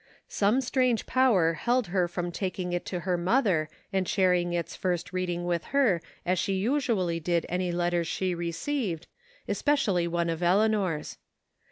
Some strange 254 THE FINDING OF JASPER HOLT power held her from taking it to her mother and sharing its first reading with her as she usually did any letters she received, especially one of Eleanor's.